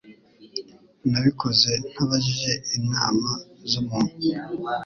Nabikoze ntabajije inama z'umuntu.